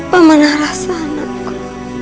pamanah rasa anakku